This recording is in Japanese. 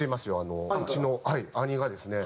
うちの兄がですね